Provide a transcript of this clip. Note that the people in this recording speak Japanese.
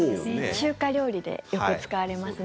中華料理でよく使われますね。